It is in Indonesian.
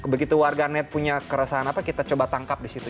begitu warganet punya keresahan apa kita coba tangkap di situ